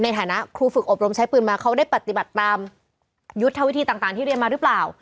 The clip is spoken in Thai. ในฐานะครูฝึกอบรมใช้ปืนมาเขาได้ปฏิบัติตามยุทธวิธีต่างที่เรียนมาหรือเปล่า